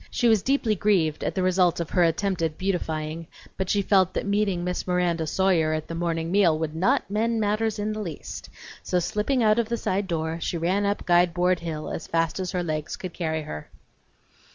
She was deeply grieved at the result of her attempted beautifying, but she felt that meeting Miss Miranda Sawyer at the morning meal would not mend matters in the least, so slipping out of the side door, she ran up Guide Board hill as fast as her legs could carry her.